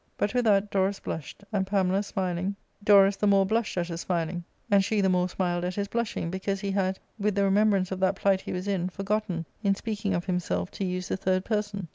But ^ with that Dorus blushed, and Pamela smiling, Dorus the ARCADIA,— Book 11. 157 more blushed at her smiling, and she the more smiled at his blushing, because he had, with the remembrance of that plight he was in, forgotten, in speaking of himself, to use the third person.